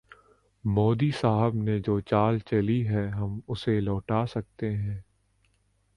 مودی صاحب نے جو چال چلی ہے، ہم اسے لوٹا سکتے ہیں۔